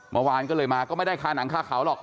เมื่อวานก็เลยมาก็ไม่ได้ค่าหนังคาเขาหรอก